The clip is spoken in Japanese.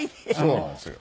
そうなんですよ。